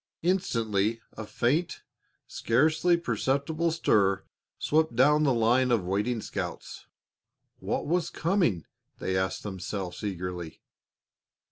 Instantly a faint, scarcely perceptible stir swept down the lines of waiting scouts. What was coming? they asked themselves eagerly.